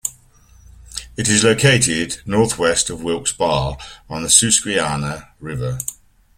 It is located northwest of Wilkes-Barre, on the Susquehanna River.